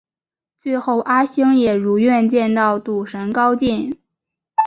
最后阿星也如愿见到赌神高进。